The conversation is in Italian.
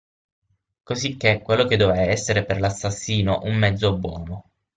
Cosicché quello che doveva essere per l'assassino un mezzo buono.